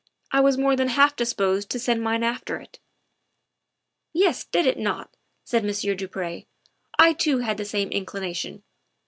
" I was more than half disposed to send mine after it." " Yes, did it not?" said Monsieur du Pre. "I too had the same inclination.